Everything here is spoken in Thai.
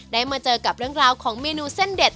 มาเจอกับเรื่องราวของเมนูเส้นเด็ด